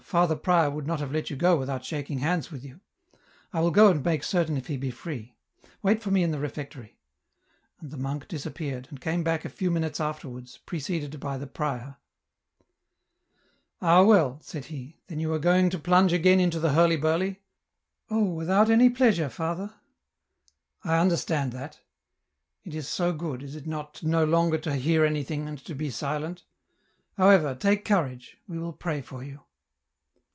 Father prior would not have let you go without shaking hands with ynu. I will go and X $06 EN ROUTE. make certain if he be free. Wait for me in the refectory.' And the monk disappeared, and came back a few minute? afterwards, preceded by the prior. " Ah, well," said he, " then you are going to plunge again into the hurly burly ?"" Oh I without any pleasure. Father." " I understand that. It is so good, is it not, no longer to hear anything and to be silent. However, take courage ; we will pray for you."